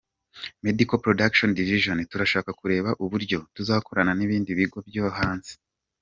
Medical Production Division : Turashaka kureba uburyo tuzakorana n’ibindi bigo byo hanze.